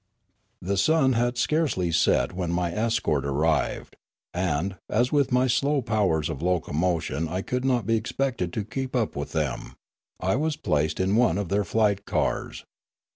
The sun had scarcely set when my escort arrived ; and, as with my slow powers of locomotion I could not be expected to keep up with them, I was placed in one of their flight cars.